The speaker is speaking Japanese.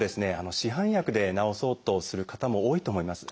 市販薬で治そうとする方も多いと思います。